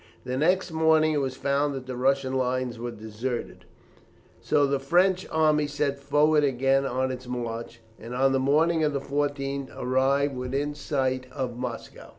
The next morning it was found that the Russian lines were deserted. So the French army set forward again on its march, and on the morning of the 14th arrived within sight of Moscow.